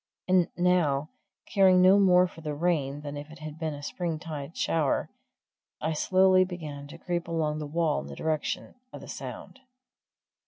And now, caring no more for the rain than if it had been a springtide shower, I slowly began to creep along the wall in the direction of the sound.